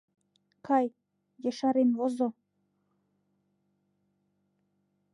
Кай, ешарен возо”.